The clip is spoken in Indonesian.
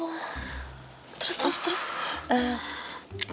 terus terus terus